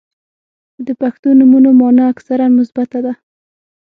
• د پښتو نومونو مانا اکثراً مثبته ده.